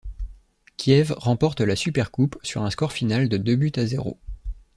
Kiev remporte la Supercoupe sur un score final de deux buts à zéro.